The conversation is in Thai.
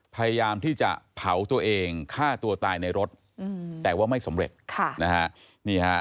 พยายามที่จะเผาตัวเองฆ่าตัวตายในรถแต่ว่าไม่สำเร็จค่ะนะฮะ